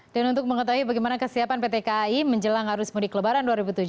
dan untuk mengetahui bagaimana kesiapan pt kai menjelang harus mudik lebaran dua ribu tujuh belas